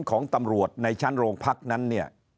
ของตำรวจในชั้นโรงพักนั้นเนี่ย